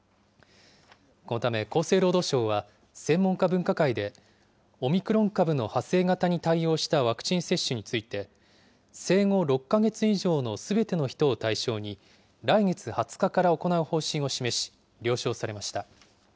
このため、厚生労働省は、専門家分科会でオミクロン株の派生型に対応したワクチン接種について、生後６か月以上のすべての人を対象に、来月２０日から行う方針を示し、了承されました。